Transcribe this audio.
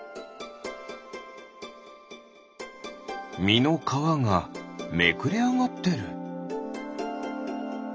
みのかわがめくれあがってる。